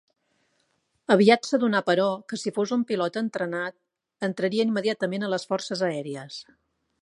Aviat s'adonà però, que si fos un pilot entrenat, entraria immediatament a les forces aèries.